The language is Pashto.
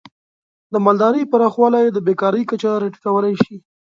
د مالدارۍ پراخوالی د بیکاری کچه راټیټولی شي.